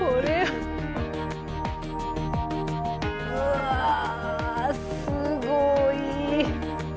うわすごい！